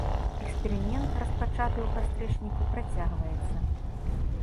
Эксперымент, распачаты ў кастрычніку, працягваецца.